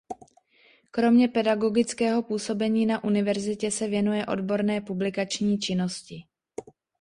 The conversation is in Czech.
Kromě pedagogického působení na univerzitě se věnuje odborné publikační činnosti.